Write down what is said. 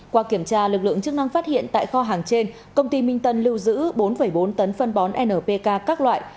qua kiểm tra lực lượng chức năng phát hiện tại kho hàng trên công ty minh tân lưu giữ bốn bốn tấn phân bón npk các loại